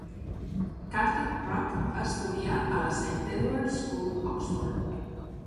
Carter-Ruck va estudiar a la St Edward's School, Oxford.